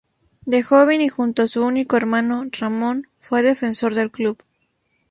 De joven y junto a su único hermano, Ramón, fue defensor del club.